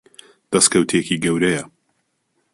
دەستکەوتێکی گەورەیە.